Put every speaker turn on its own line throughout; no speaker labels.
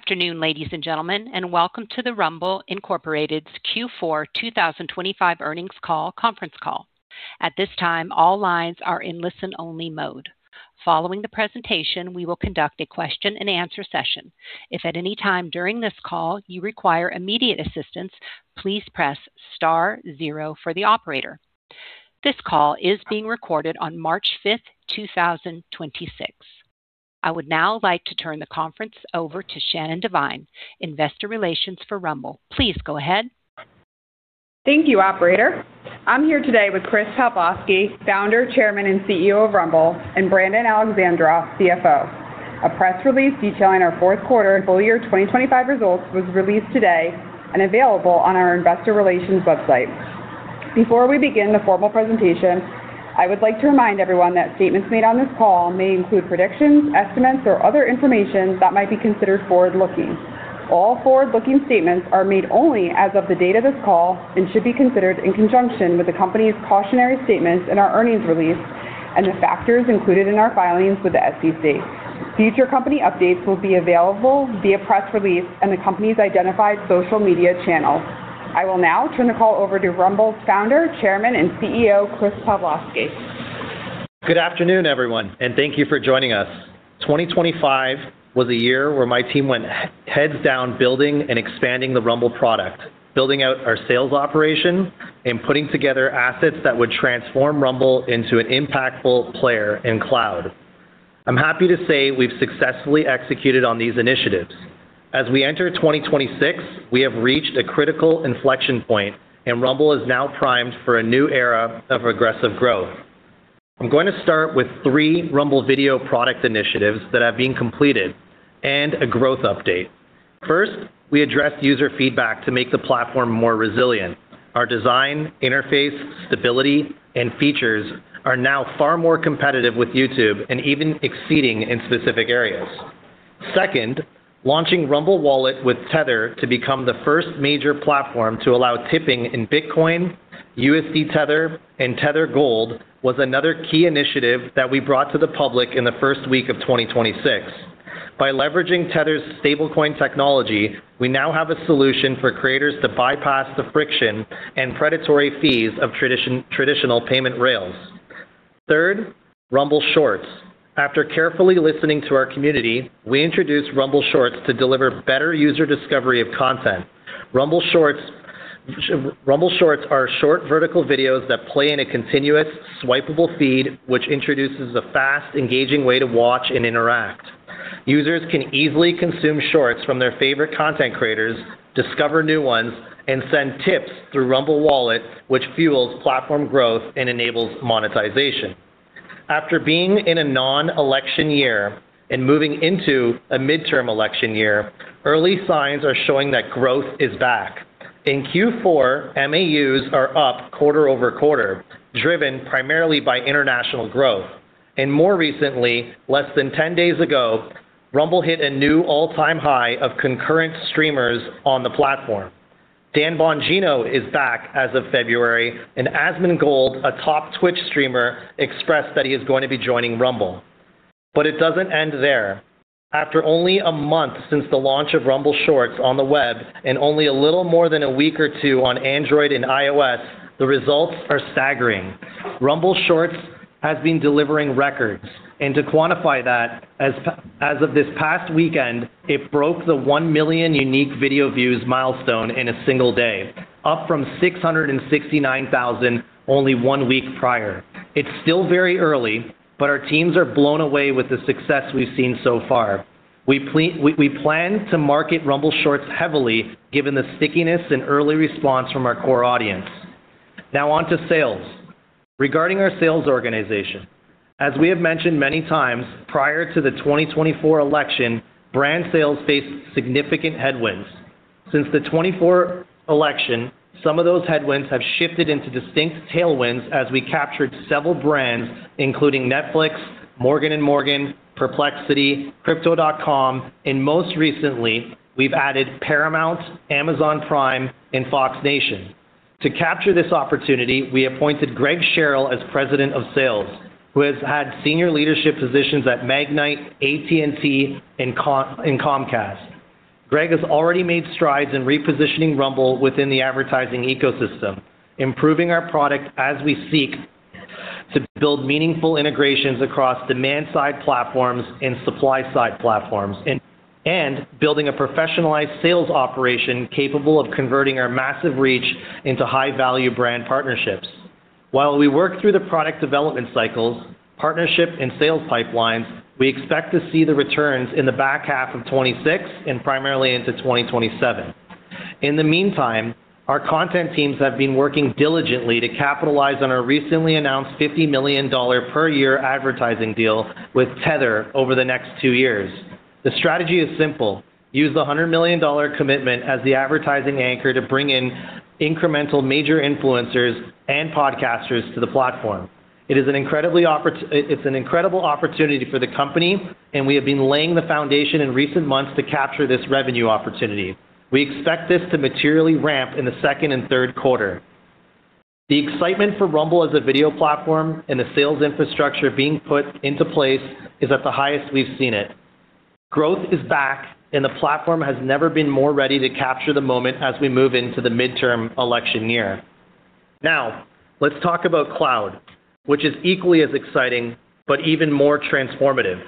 Afternoon, ladies and gentlemen, and welcome to the Rumble Inc's Q4 2025 earnings call conference call. At this time, all lines are in listen-only mode. Following the presentation, we will conduct a question-and-answer session. If at any time during this call you require immediate assistance, please press star zero for the operator. This call is being recorded on March 5th, 2026. I would now like to turn the conference over to Shannon Devine, Investor Relations for Rumble. Please go ahead.
Thank you, operator. I'm here today with Chris Pavlovski, Founder, Chairman, and CEO of Rumble, and Brandon Alexandroff, CFO. A press release detailing our fourth quarter and full year 2025 results was released today and available on our investor relations website. Before we begin the formal presentation, I would like to remind everyone that statements made on this call may include predictions, estimates, or other information that might be considered forward-looking. All forward-looking statements are made only as of the date of this call and should be considered in conjunction with the company's cautionary statements in our earnings release and the factors included in our filings with the SEC. Future company updates will be available via press release and the company's identified social media channels. I will now turn the call over to Rumble's Founder, Chairman, and CEO, Chris Pavlovski.
Good afternoon, everyone. Thank you for joining us. 2025 was a year where my team went heads down building and expanding the Rumble product, building out our sales operation, and putting together assets that would transform Rumble into an impactful player in cloud. I'm happy to say we've successfully executed on these initiatives. As we enter 2026, we have reached a critical inflection point. Rumble is now primed for a new era of aggressive growth. I'm going to start with three Rumble video product initiatives that have been completed and a growth update. First, we addressed user feedback to make the platform more resilient. Our design, interface, stability, and features are now far more competitive with YouTube and even exceeding in specific areas. Launching Rumble Wallet with Tether to become the first major platform to allow tipping in Bitcoin, USD Tether, and Tether Gold was another key initiative that we brought to the public in the first week of 2026. By leveraging Tether's stablecoin technology, we now have a solution for creators to bypass the friction and predatory fees of traditional payment rails. Rumble Shorts. After carefully listening to our community, we introduced Rumble Shorts to deliver better user discovery of content. Rumble Shorts are short vertical videos that play in a continuous swipeable feed, which introduces a fast, engaging way to watch and interact. Users can easily consume shorts from their favorite content creators, discover new ones, and send tips through Rumble Wallet, which fuels platform growth and enables monetization. After being in a nonelection year and moving into a midterm election year, early signs are showing that growth is back. In Q4, MAUs are up quarter-over-quarter, driven primarily by international growth. More recently, less than 10 days ago, Rumble hit a new all-time high of concurrent streamers on the platform. Dan Bongino is back as of February, and Asmongold, a top Twitch streamer, expressed that he is going to be joining Rumble. It doesn't end there. After only a month since the launch of Rumble Shorts on the web, and only a little more than a week or two on Android and iOS, the results are staggering. Rumble Shorts has been delivering records, and to quantify that, as of this past weekend, it broke the 1 million unique video views milestone in a single day, up from 669,000 only one week prior. It's still very early, but our teams are blown away with the success we've seen so far. We plan to market Rumble Shorts heavily given the stickiness and early response from our core audience. Now on to sales. Regarding our sales organization, as we have mentioned many times prior to the 2024 election, brand sales faced significant headwinds. Since the 2024 election, some of those headwinds have shifted into distinct tailwinds as we captured several brands, including Netflix, Morgan & Morgan, Perplexity, Crypto.com, and most recently, we've added Paramount, Amazon Prime, and Fox Nation. To capture this opportunity, we appointed Greg Sherrill as President of Sales, who has had senior leadership positions at Magnite, AT&T, and Comcast. Greg has already made strides in repositioning Rumble within the advertising ecosystem, improving our product as we seek to build meaningful integrations across demand-side platforms and supply-side platforms, and building a professionalized sales operation capable of converting our massive reach into high-value brand partnerships. While we work through the product development cycles, partnership, and sales pipelines, we expect to see the returns in the back half of 2026 and primarily into 2027. In the meantime, our content teams have been working diligently to capitalize on our recently announced $50 million per year advertising deal with Tether over the next two years. The strategy is simple: Use the $100 million commitment as the advertising anchor to bring in incremental major influencers and podcasters to the platform. It's an incredible opportunity for the company. We have been laying the foundation in recent months to capture this revenue opportunity. We expect this to materially ramp in the second and third quarter. The excitement for Rumble as a video platform and the sales infrastructure being put into place is at the highest we've seen it. Growth is back, and the platform has never been more ready to capture the moment as we move into the midterm election year. Let's talk about cloud, which is equally as exciting, but even more transformative.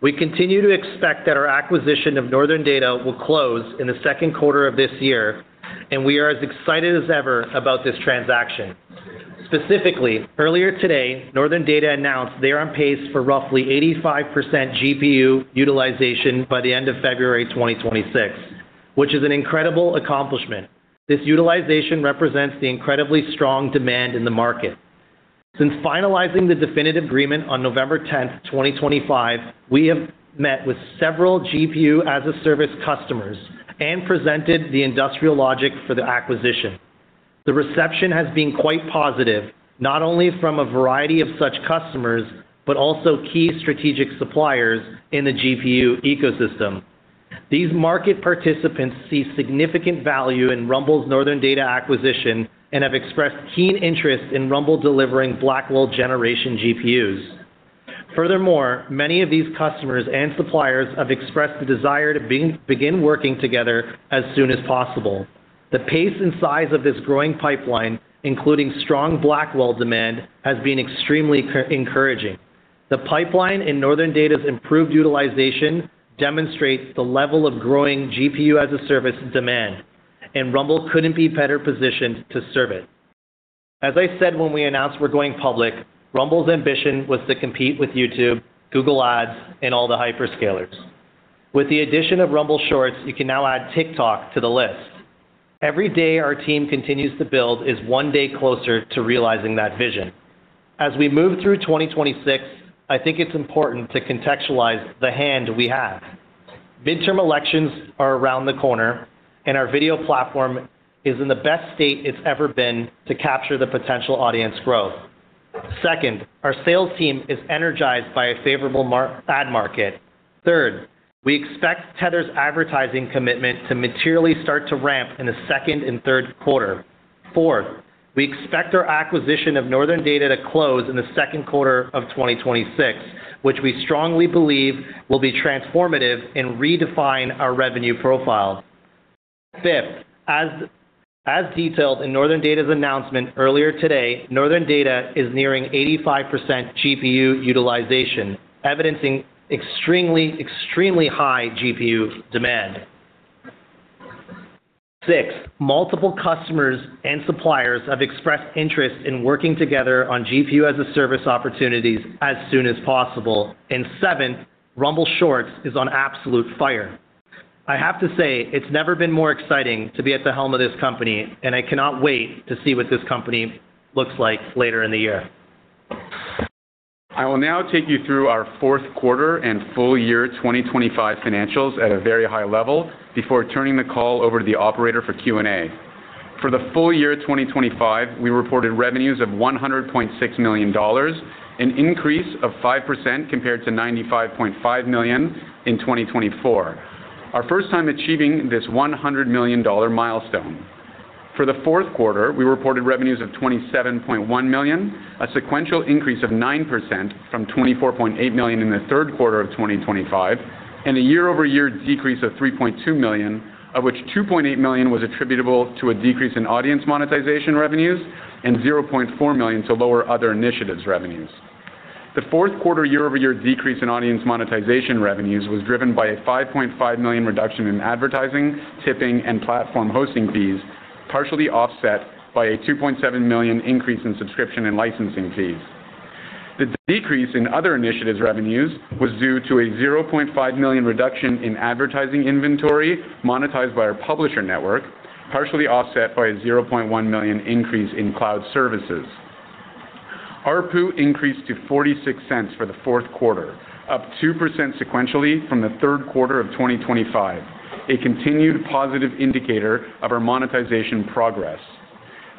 We continue to expect that our acquisition of Northern Data will close in the second quarter of this year, and we are as excited as ever about this transaction. Specifically, earlier today, Northern Data announced they are on pace for roughly 85% GPU utilization by the end of February 2026, which is an incredible accomplishment. This utilization represents the incredibly strong demand in the market. Since finalizing the definitive agreement on November 10th, 2025, we have met with several GPU-as-a-service customers and presented the industrial logic for the acquisition. The reception has been quite positive, not only from a variety of such customers, but also key strategic suppliers in the GPU ecosystem. These market participants see significant value in Rumble's Northern Data acquisition and have expressed keen interest in Rumble delivering Blackwell generation GPUs. Furthermore, many of these customers and suppliers have expressed the desire to begin working together as soon as possible. The pace and size of this growing pipeline, including strong Blackwell demand, has been extremely encouraging. The pipeline in Northern Data's improved utilization demonstrates the level of growing GPU-as-a-service demand, and Rumble couldn't be better positioned to serve it. As I said when we announced we're going public, Rumble's ambition was to compete with YouTube, Google Ads, and all the hyperscalers. With the addition of Rumble Shorts, you can now add TikTok to the list. Every day our team continues to build is one day closer to realizing that vision. As we move through 2026, I think it's important to contextualize the hand we have. Midterm elections are around the corner, our video platform is in the best state it's ever been to capture the potential audience growth. Second, our sales team is energized by a favorable ad market. Third, we expect Tether's advertising commitment to materially start to ramp in the second and third quarter. Fourth, we expect our acquisition of Northern Data to close in the second quarter of 2026, which we strongly believe will be transformative and redefine our revenue profile. Fifth, as detailed in Northern Data's announcement earlier today, Northern Data is nearing 85% GPU utilization, evidencing extremely high GPU demand. Sixth, multiple customers and suppliers have expressed interest in working together on GPU-as-a-service opportunities as soon as possible. Seventh, Rumble Shorts is on absolute fire. I have to say, it's never been more exciting to be at the helm of this company, and I cannot wait to see what this company looks like later in the year.
I will now take you through our fourth quarter and full year 2025 financials at a very high level before turning the call over to the operator for Q&A. For the full year 2025, we reported revenues of $100.6 million, an increase of 5% compared to $95.5 million in 2024. Our first time achieving this $100 million milestone. For the fourth quarter, we reported revenues of $27.1 million, a sequential increase of 9% from $24.8 million in the third quarter of 2025, and a year-over-year decrease of $3.2 million, of which $2.8 million was attributable to a decrease in audience monetization revenues and $0.4 million to lower other initiatives revenues. The fourth quarter year-over-year decrease in audience monetization revenues was driven by a $5.5 million reduction in advertising, tipping, and platform hosting fees, partially offset by a $2.7 million increase in subscription and licensing fees. The decrease in other initiatives revenues was due to a $0.5 million reduction in advertising inventory monetized by our publisher network, partially offset by a $0.1 million increase in cloud services. ARPU increased to $0.46 for the fourth quarter, up 2% sequentially from the third quarter of 2025, a continued positive indicator of our monetization progress.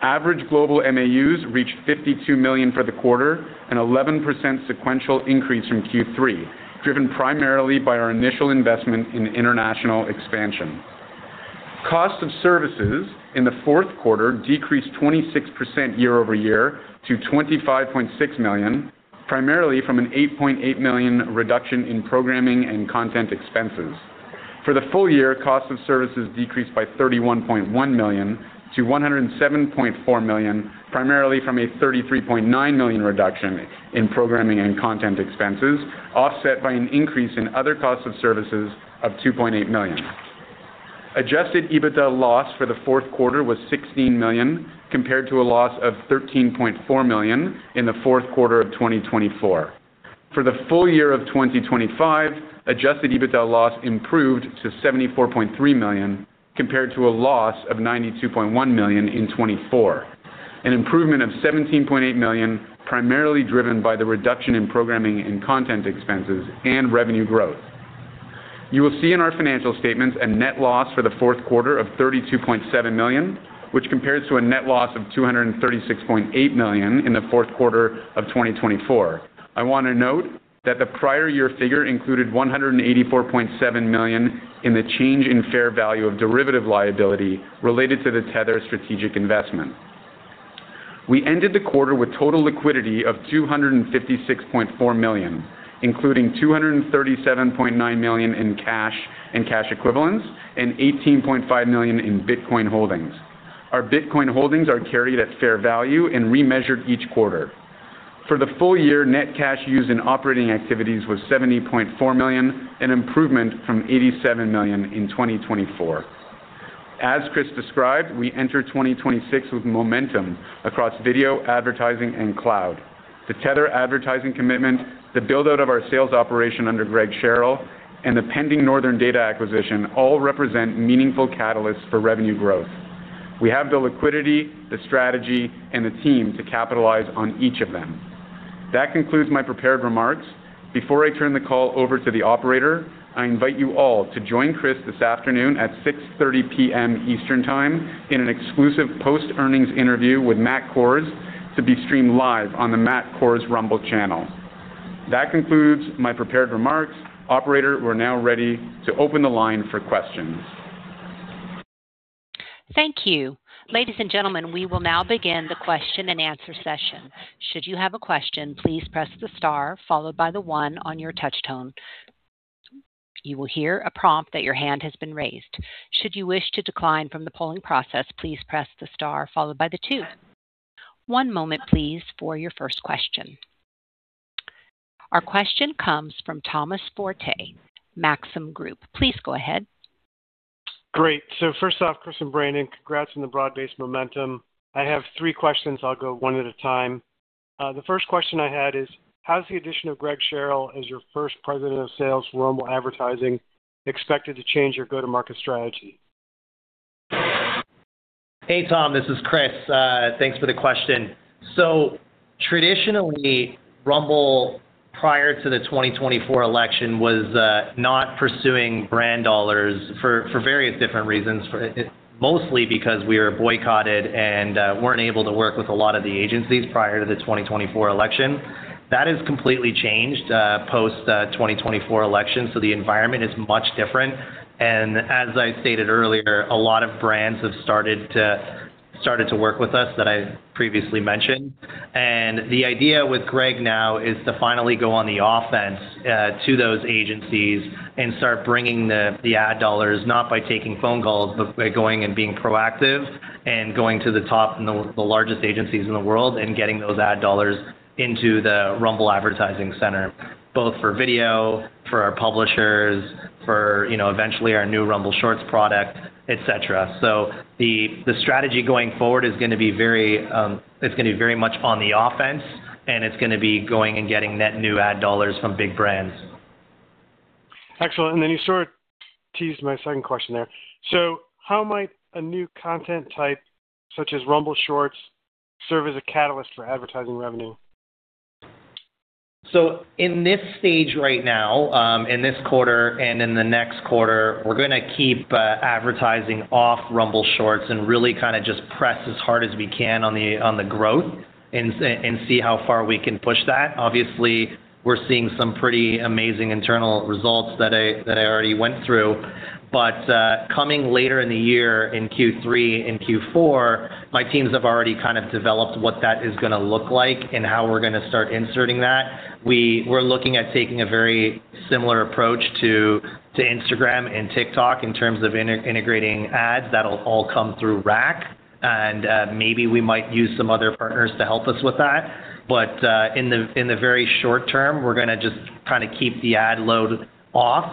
Average global MAUs reached 52 million for the quarter, an 11% sequential increase from Q3, driven primarily by our initial investment in international expansion. Cost of services in the fourth quarter decreased 26% year-over-year to $25.6 million, primarily from an $8.8 million reduction in programming and content expenses. For the full year, cost of services decreased by $31.1 million to $107.4 million, primarily from a $33.9 million reduction in programming and content expenses, offset by an increase in other costs of services of $2.8 million. Adjusted EBITDA loss for the fourth quarter was $16 million, compared to a loss of $13.4 million in the fourth quarter of 2024. For the full year of 2025, adjusted EBITDA loss improved to $74.3 million, compared to a loss of $92.1 million in 2024, an improvement of $17.8 million, primarily driven by the reduction in programming and content expenses and revenue growth. You will see in our financial statements a net loss for the fourth quarter of $32.7 million, which compares to a net loss of $236.8 million in the fourth quarter of 2024. I want to note that the prior year figure included $184.7 million in the change in fair value of derivative liability related to the Tether strategic investment. We ended the quarter with total liquidity of $256.4 million, including $237.9 million in cash and cash equivalents and $18.5 million in Bitcoin holdings. Our Bitcoin holdings are carried at fair value and remeasured each quarter. For the full year, net cash used in operating activities was $70.4 million, an improvement from $87 million in 2024. As Chris described, we enter 2026 with momentum across video advertising and cloud. The Tether advertising commitment, the build-out of our sales operation under Greg Sherrill, and the pending Northern Data acquisition all represent meaningful catalysts for revenue growth. We have the liquidity, the strategy, and the team to capitalize on each of them. That concludes my prepared remarks. Before I turn the call over to the operator, I invite you all to join Chris this afternoon at 6:30 P.M. Eastern Time in an exclusive post-earnings interview with Matt Kohrs to be streamed live on the Matt Kohrs Rumble channel. That concludes my prepared remarks. Operator, we're now ready to open the line for questions.
Thank you. Ladies and gentlemen, we will now begin the question and answer session. Should you have a question, please press the star followed by the one on your touch tone. You will hear a prompt that your hand has been raised. Should you wish to decline from the polling process, please press the star followed by the two. One moment, please, for your first question. Our question comes from Thomas Forte, Maxim Group. Please go ahead.
Great. First off, Chris and Brandon, congrats on the broad-based momentum. I have three questions. I'll go one at a time. The first question I had is, how does the addition of Greg Sherrill as your first President of Sales for Rumble Advertising expected to change your go-to-market strategy?
Hey, Tom, this is Chris. Thanks for the question. Traditionally, Rumble, prior to the 2024 election, was not pursuing brand dollars for various different reasons, mostly because we were boycotted and weren't able to work with a lot of the agencies prior to the 2024 election. That has completely changed post 2024 election, the environment is much different. As I stated earlier, a lot of brands have started to work with us that I previously mentioned. The idea with Greg now is to finally go on the offense to those agencies and start bringing the ad dollars, not by taking phone calls, but by going and being proactive and going to the top and the largest agencies in the world and getting those ad dollars into the Rumble Advertising Center, both for video, for our publishers, for, you know, eventually our new Rumble Shorts product, et cetera. The strategy going forward is gonna be very, it's gonna be very much on the offense, and it's gonna be going and getting net new ad dollars from big brands.
Excellent. You sort of teased my second question there. How might a new content type such as Rumble Shorts serve as a catalyst for advertising revenue?
In this stage right now, in this quarter and in the next quarter, we're gonna keep advertising off Rumble Shorts and really kind of just press as hard as we can on the growth and see how far we can push that. Obviously, we're seeing some pretty amazing internal results that I already went through. Coming later in the year in Q3 and Q4, my teams have already kind of developed what that is gonna look like and how we're gonna start inserting that. We're looking at taking a very similar approach to Instagram and TikTok in terms of integrating ads that'll all come through RAC, and maybe we might use some other partners to help us with that. In the very short term, we're gonna just kind of keep the ad load off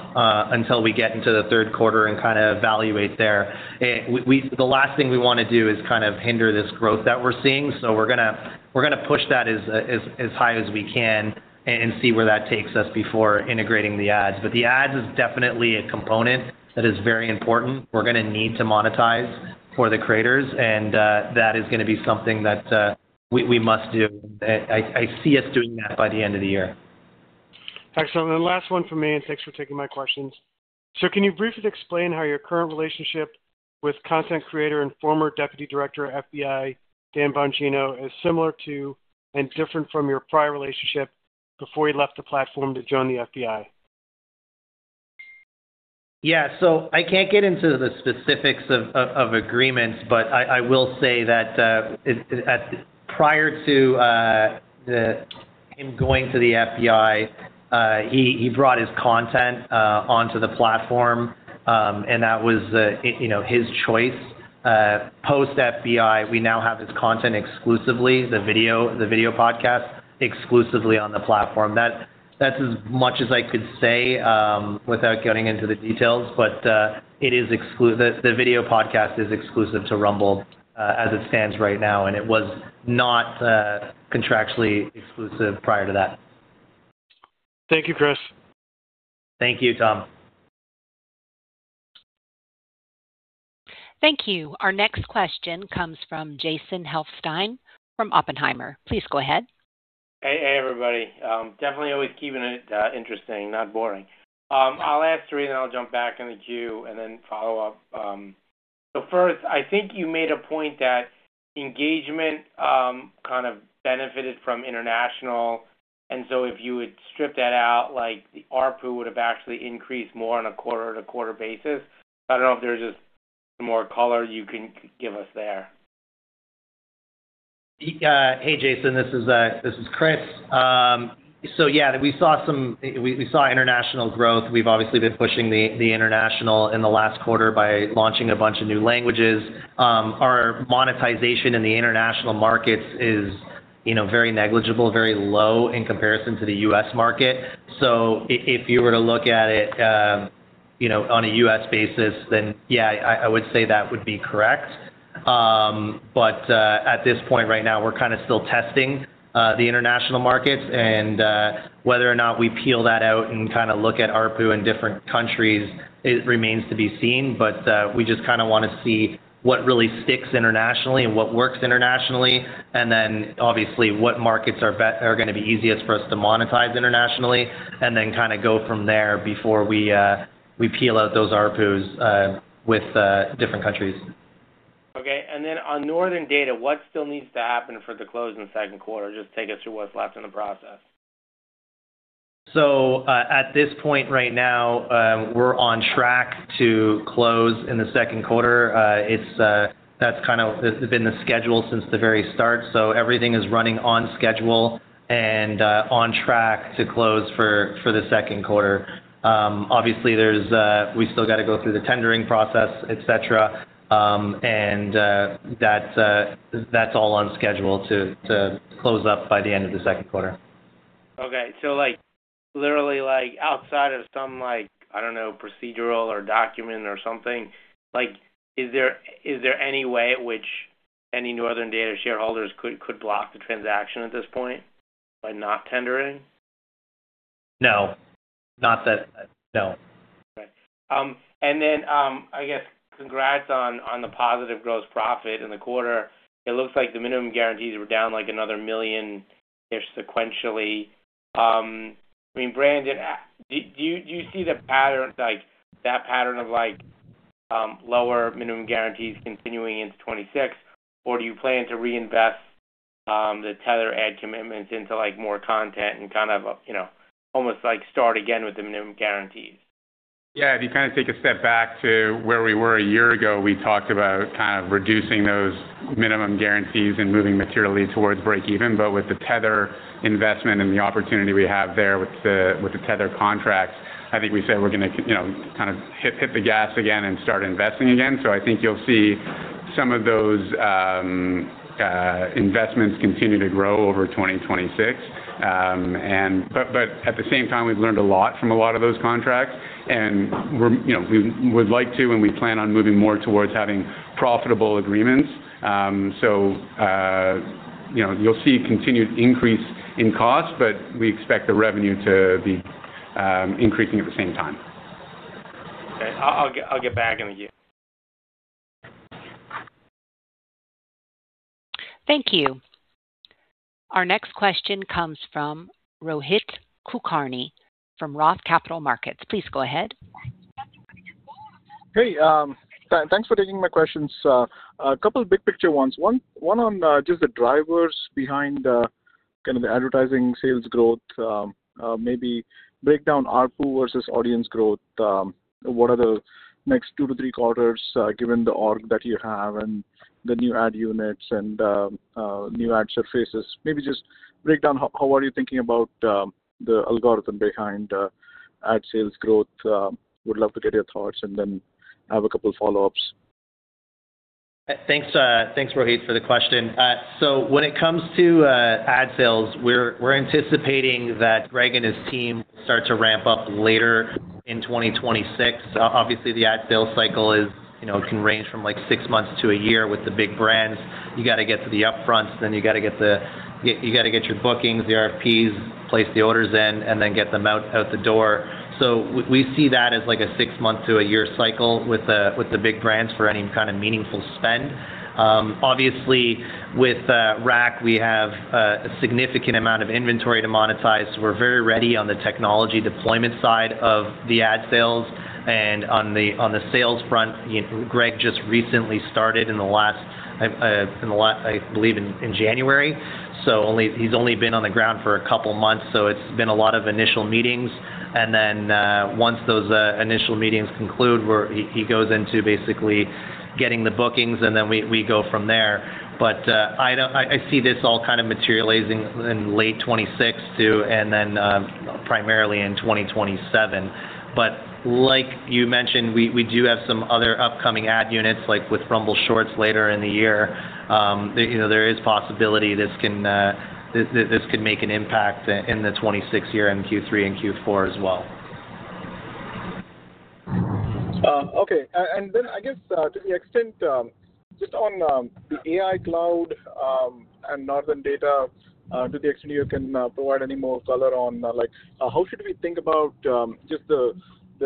until we get into the third quarter and kind of evaluate there. The last thing we wanna do is kind of hinder this growth that we're seeing, so we're gonna push that as high as we can and see where that takes us before integrating the ads. The ads is definitely a component that is very important. We're gonna need to monetize for the creators and that is gonna be something that we must do. I see us doing that by the end of the year.
Excellent. Last one from me, thanks for taking my questions. Can you briefly explain how your current relationship with content creator and former Deputy Director of FBI, Dan Bongino, is similar to and different from your prior relationship before he left the platform to join the FBI?
I can't get into the specifics of agreements. I will say that prior to him going to the FBI, he brought his content onto the platform. That was, you know, his choice. Post FBI, we now have his content exclusively, the video podcast exclusively on the platform. That's as much as I could say without getting into the details. It is the video podcast is exclusive to Rumble as it stands right now. It was not contractually exclusive prior to that.
Thank you, Chris.
Thank you, Tom.
Thank you. Our next question comes from Jason Helfstein from Oppenheimer. Please go ahead.
Hey. Hey, everybody. Definitely always keeping it interesting, not boring. I'll ask three, and then I'll jump back in the queue and then follow up. First, I think you made a point that engagement, kind of benefited from international and so if you would strip that out, like the ARPU would have actually increased more on a quarter-to-quarter basis. I don't know if there's just some more color you can give us there.
Hey, Jason, this is Chris. Yeah, we saw international growth. We've obviously been pushing the international in the last quarter by launching a bunch of new languages. Our monetization in the international markets is, you know, very negligible, very low in comparison to the U.S. market. If you were to look at it, you know, on a U.S. basis, then yeah, I would say that would be correct. At this point right now, we're kinda still testing the international markets and whether or not we peel that out and kinda look at ARPU in different countries, it remains to be seen. We just kinda wanna see what really sticks internationally and what works internationally, and then obviously what markets are gonna be easiest for us to monetize internationally, and then kinda go from there before we we peel out those ARPUs with different countries.
On Northern Data, what still needs to happen for the close in the second quarter? Just take us through what's left in the process.
At this point right now, we're on track to close in the second quarter. It's been the schedule since the very start, everything is running on schedule and on track to close for the second quarter. Obviously, there's, we still gotta go through the tendering process, et cetera. That's all on schedule to close up by the end of the second quarter.
Okay. like, literally like outside of some like, I don't know, procedural or document or something, like is there any way which any Northern Data shareholders could block the transaction at this point by not tendering?
No. No.
Okay. I guess congrats on the positive gross profit in the quarter. It looks like the minimum guarantees were down like another $1 million-ish sequentially. I mean, Brandon, do you see the pattern, like that pattern of like, lower minimum guarantees continuing into 2026? Do you plan to reinvest, the Tether edge commitments into like more content and kind of, you know, almost like start again with the minimum guarantees?
Yeah. If you kind of take a step back to where we were a year ago, we talked about kind of reducing those minimum guarantees and moving materially towards break even. With the Tether investment and the opportunity we have there with the Tether contracts, I think we said we're gonna you know, kind of hit the gas again and start investing again. I think you'll see some of those investments continue to grow over 2026. At the same time, we've learned a lot from a lot of those contracts, and you know, we would like to, and we plan on moving more towards having profitable agreements. You know, you'll see continued increase in cost, but we expect the revenue to be increasing at the same time.
Okay. I'll get back in a year.
Thank you. Our next question comes from Rohit Kulkarni from Roth Capital Markets. Please go ahead.
Hey, thanks for taking my questions. A couple of big picture ones. One on just the drivers behind kind of the advertising sales growth. Maybe break down ARPU versus audience growth. What are the next two to three quarters, given the org that you have and the new ad units and new ad surfaces? Maybe just break down how are you thinking about the algorithm behind ad sales growth. Would love to get your thoughts and then I have a couple of follow-ups.
Thanks, thanks, Rohit, for the question. So when it comes to ad sales, we're anticipating that Greg and his team start to ramp up later in 2026. Obviously the ad sales cycle is, you know, can range from like six months to a year with the big brands. You gotta get to the upfront, then you gotta get your bookings, the RFPs, place the orders in, and then get them out the door. We see that as like a six-month to a year cycle with the big brands for any kind of meaningful spend. Obviously, with RAC, we have a significant amount of inventory to monetize. We're very ready on the technology deployment side of the ad sales. On the, on the sales front, Greg just recently started in the last, in the last, I believe in January. He's only been on the ground for a couple of months, so it's been a lot of initial meetings. Once those initial meetings conclude, he goes into basically getting the bookings, and then we go from there. I see this all kind of materializing in late 2026 too, and then, primarily in 2027. Like you mentioned, we do have some other upcoming ad units, like with Rumble Shorts later in the year. You know, there is possibility this can make an impact in the 2026 year in Q3 and Q4 as well.
Okay. I guess, to the extent, just on the AI cloud and Northern Data, to the extent you can, provide any more color on, like how should we think about, just the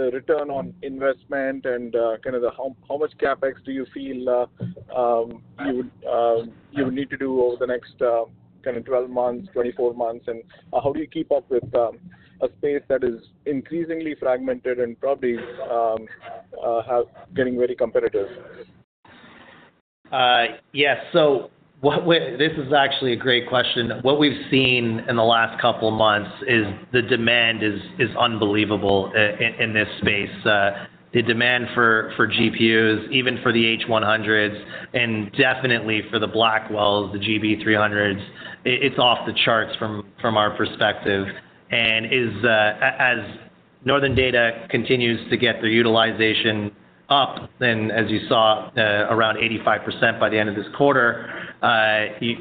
return on investment and, kind of the how much CapEx do you feel, you would need to do over the next, kind of 12 months, 24 months? How do you keep up with a space that is increasingly fragmented and probably getting very competitive?
Yes. What we've seen in the last couple months is the demand is unbelievable in this space. The demand for GPUs, even for the H100s and definitely for the Blackwells, the GB300s, it's off the charts from our perspective. As Northern Data continues to get their utilization up, then as you saw, around 85% by the end of this quarter,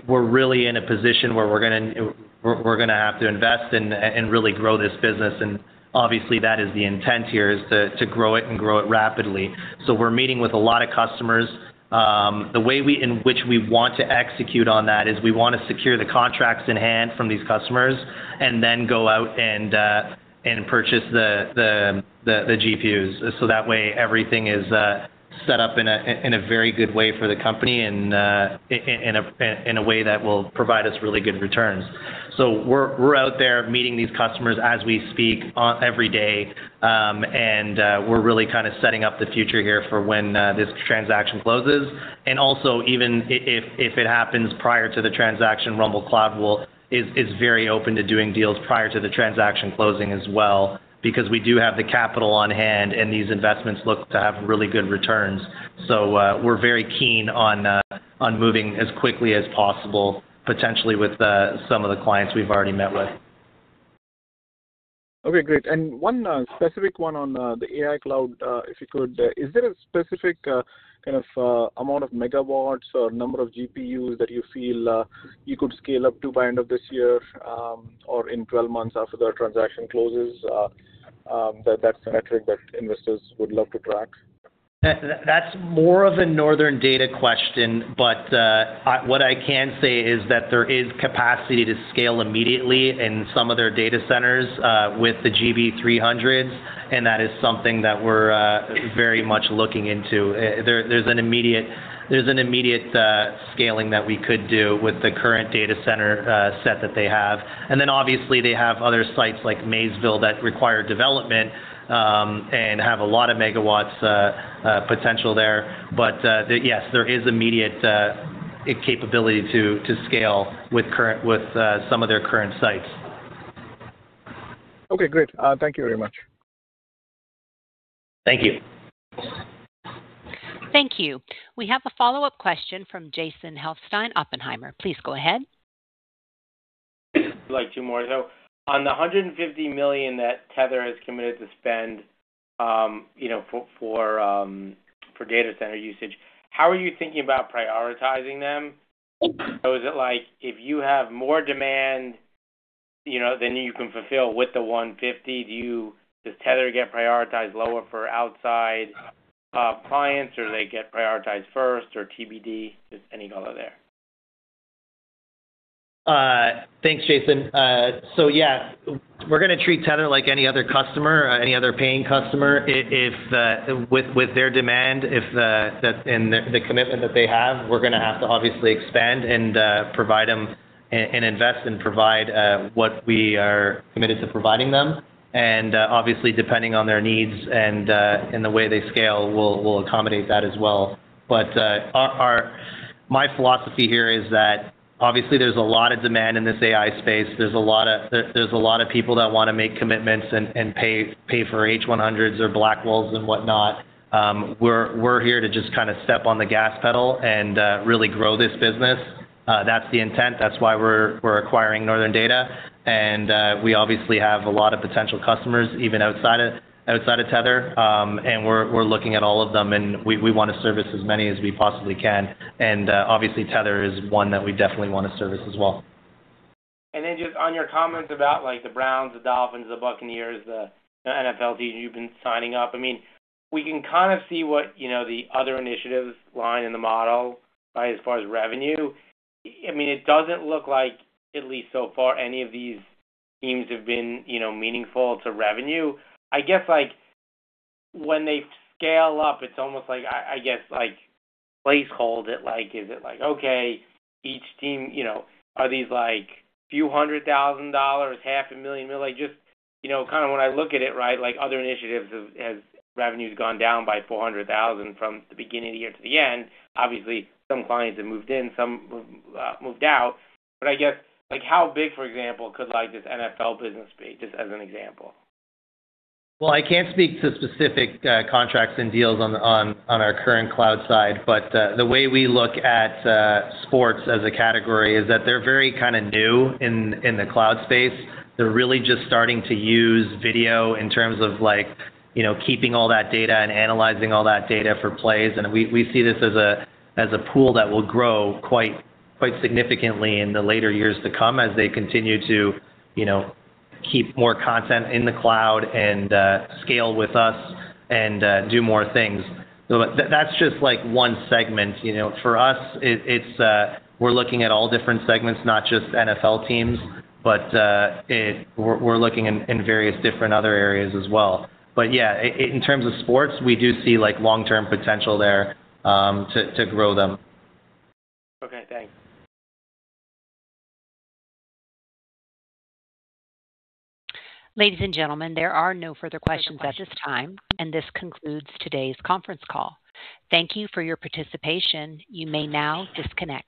we're really in a position where we're gonna have to invest and really grow this business, and obviously that is the intent here, is to grow it and grow it rapidly. We're meeting with a lot of customers. The way in which we want to execute on that is we want to secure the contracts in hand from these customers and then go out and purchase the GPUs. That way everything is set up in a very good way for the company and in a way that will provide us really good returns. We're out there meeting these customers as we speak on every day, and we're really kind of setting up the future here for when this transaction closes. Also even if it happens prior to the transaction, Rumble Cloud is very open to doing deals prior to the transaction closing as well, because we do have the capital on hand, and these investments look to have really good returns. We're very keen on moving as quickly as possible, potentially with some of the clients we've already met with.
Okay, great. One specific one on the AI cloud, if you could. Is there a specific kind of amount of megawatts or number of GPUs that you feel you could scale up to by end of this year, or in 12 months after the transaction closes? That's a metric that investors would love to track.
That's, that's more of a Northern Data question, but what I can say is that there is capacity to scale immediately in some of their data centers with the GB300s, and that is something that we're very much looking into. There's an immediate scaling that we could do with the current data center set that they have. Obviously they have other sites like Maysville that require development and have a lot of megawatts potential there. Yes, there is immediate capability to scale with some of their current sites.
Okay, great. Thank you very much.
Thank you.
Thank you. We have a follow-up question from Jason Helfstein, Oppenheimer. Please go ahead.
Like two more, on the $150 million that Tether has committed to spend, you know, for, for data center usage, how are you thinking about prioritizing them? Is it like if you have more demand, you know, than you can fulfill with the 150, Does Tether get prioritized lower for outside clients, or they get prioritized first or TBD? Just any color there.
Thanks, Jason. Yeah, we're gonna treat Tether like any other customer, any other paying customer. If with their demand, the commitment that they have, we're gonna have to obviously expand and provide them and invest and provide what we are committed to providing them. Obviously, depending on their needs and the way they scale, we'll accommodate that as well. Our philosophy here is that obviously there's a lot of demand in this AI space. There's a lot of people that want to make commitments and pay for H100s or Blackwells and whatnot. We're here to just kind of step on the gas pedal and really grow this business. That's the intent. That's why we're acquiring Northern Data. We obviously have a lot of potential customers even outside of Tether. We're looking at all of them, and we want to service as many as we possibly can. Obviously, Tether is one that we definitely want to service as well.
Just on your comments about like the Browns, the Dolphins, the Buccaneers, the NFL teams you've been signing up. I mean, we can kind of see what, you know, the other initiatives lie in the model by as far as revenue. I mean, it doesn't look like, at least so far, any of these teams have been, you know, meaningful to revenue. I guess, like, when they scale up, it's almost like, I guess like placeholder, like is it like, okay, each team, you know, are these like few hundred thousand dollars, $500,000? Like, just, you know, kind of when I look at it, right, like other initiatives as revenues gone down by $400,000 from the beginning of the year to the end. Obviously, some clients have moved in, some moved out. I guess, like how big, for example, could like this NFL business be, just as an example?
Well, I can't speak to specific contracts and deals on, on our current cloud side. The way we look at sports as a category is that they're very kind of new in the cloud space. They're really just starting to use video in terms of like, you know, keeping all that data and analyzing all that data for plays. We, we see this as a, as a pool that will grow quite significantly in the later years to come as they continue to, you know, keep more content in the cloud and scale with us and do more things. That's just like one segment. You know, for us, it-it's, we're looking at all different segments, not just NFL teams, we're looking in various different other areas as well. yeah, in terms of sports, we do see like long-term potential there, to grow them.
Okay, thanks.
Ladies and gentlemen, there are no further questions at this time. This concludes today's conference call. Thank you for your participation. You may now disconnect.